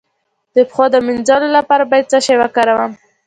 د پښو د مینځلو لپاره باید څه شی وکاروم؟